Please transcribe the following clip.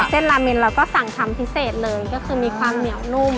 เส้นลาเมนเราก็สั่งทำพิเศษเลยก็คือมีความเหนียวนุ่ม